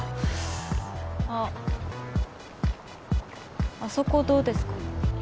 あっあそこどうですか？